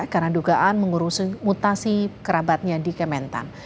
karena dugaan mengurusi mutasi kerabatnya di kementan